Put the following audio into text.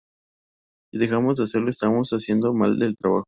Si dejamos de hacerlo estamos haciendo mal el trabajo".